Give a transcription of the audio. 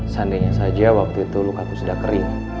sandainya saja waktu itu luka aku sudah kering